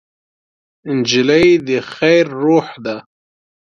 نجلۍ د خیر روح ده.